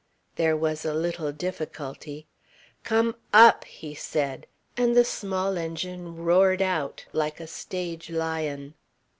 There was a little difficulty. "Come UP!" he said, and the small engine roared out like a stage lion.